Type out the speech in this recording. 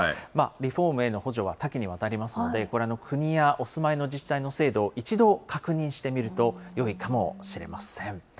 リフォームへの補助は多岐に渡りますので、ご覧の国やお住まいの自治体の制度を一度確認してみるとよいかもしれません。